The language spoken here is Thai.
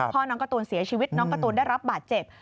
น้องการ์ตูนเสียชีวิตน้องการ์ตูนได้รับบาดเจ็บ